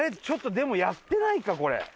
ちょっとでもやってないかこれ。